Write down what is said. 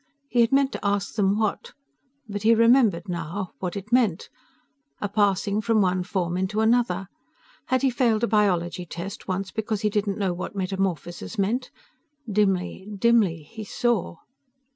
he had meant to ask them what ... but he remembered now ... what it meant. A passing from one form into another.... Had he failed a biology test once because he didn't know what metamorphosis meant ... dimly ... dimly ... he saw